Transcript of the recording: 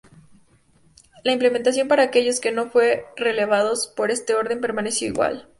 La implementación para aquellos que no fueron relevados por este orden permaneció igual.